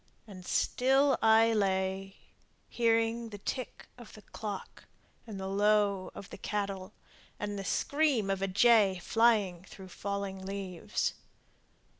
And still I lay Hearing the tick of the clock, and the low of cattle And the scream of a jay flying through falling leaves!